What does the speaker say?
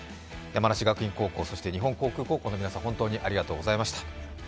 山梨学院高校、そして日本航空高校の皆さん、本当にありがとうございました。